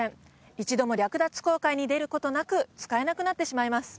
一度も略奪航海に出ることなく使えなくなってしまいます